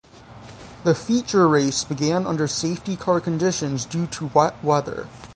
The feature race began under safety car conditions due to wet weather.